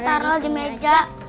lalu taro di meja